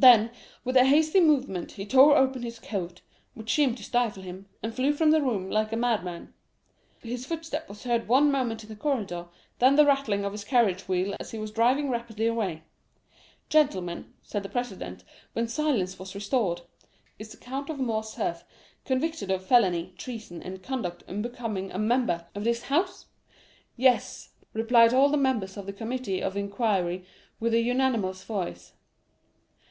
Then, with a hasty movement, he tore open his coat, which seemed to stifle him, and flew from the room like a madman; his footstep was heard one moment in the corridor, then the rattling of his carriage wheels as he was driven rapidly away. 'Gentlemen,' said the president, when silence was restored, 'is the Count of Morcerf convicted of felony, treason, and conduct unbecoming a member of this House?'—'Yes,' replied all the members of the committee of inquiry with a unanimous voice.